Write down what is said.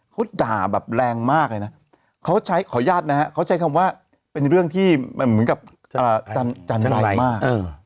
เขาด่าแบบแรงมากเลยนะเขาใช้ขออนุญาตนะฮะเขาใช้คำว่าเป็นเรื่องที่เหมือนกับจันทรายมาก